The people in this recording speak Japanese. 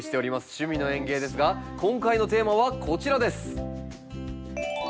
「趣味の園芸」ですが今回のテーマはこちらです。